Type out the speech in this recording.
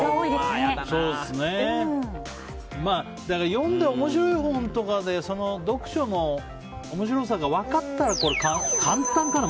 読んで面白い本とかで読書の面白さが分かったら簡単かな。